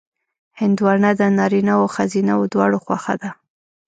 هندوانه د نارینهوو او ښځینهوو دواړو خوښه ده.